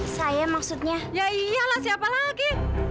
saya maksudnya ya iyalah siapa lagi